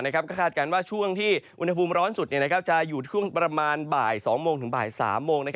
ก็คาดการณ์ว่าช่วงที่อุณหภูมิร้อนสุดจะอยู่ช่วงประมาณบ่าย๒โมงถึงบ่าย๓โมง